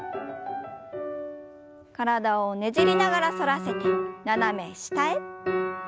体をねじりながら反らせて斜め下へ。